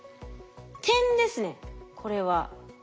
点ですねこれは。